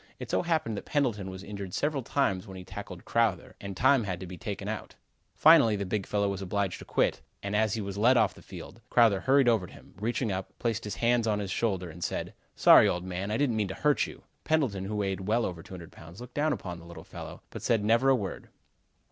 It so happened that Pendleton was injured several times when he tackled Crowther and time had to be taken out. Finally the big fellow was obliged to quit, and as he was led off the field, Crowther hurried over to him, reaching up, placed his hands on his shoulder and said: "Sorry, old man! I didn't mean to hurt you." Pendleton, who weighed well over 200 pounds, looked down upon the little fellow, but said never a word.